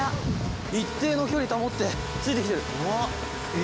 一定の距離保ってついてきてる。